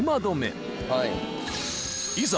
［いざ